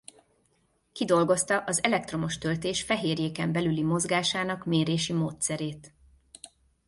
Kidolgozta az elektromos töltés fehérjéken belüli mozgásának mérési módszerét.